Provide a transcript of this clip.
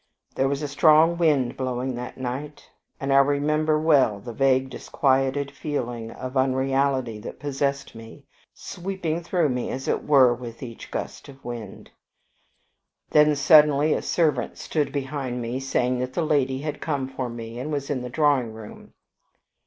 There was a strong wind blowing that night, and I remember well the vague, disquieted feeling of unreality that possessed me, sweeping through me, as it were, with each gust of wind. Then, suddenly, a servant stood behind me, saying that the lady had come for me, and was in the drawing room.